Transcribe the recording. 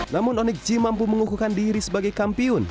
namun onic g mampu mengukuhkan diri sebagai kampiun